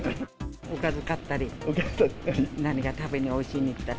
おかず買ったり、何か食べに温泉に行ったり。